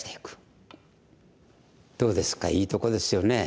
どうですかいいとこですよね。